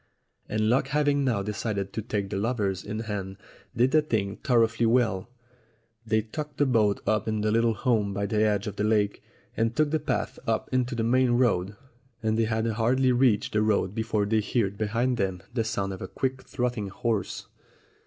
And luck having now decided to take the lovers in hand did the thing thoroughly well. They tucked the boat up in its little home by the edge of the lake, and took the path up into the main road; and they 266 STORIES WITHOUT TEARS had hardly reached the road before they heard behind them the sound of a quick trotting horse.